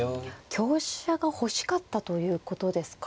香車が欲しかったということですか？